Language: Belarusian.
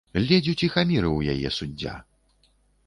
Ледзь уціхамірыў яе суддзя.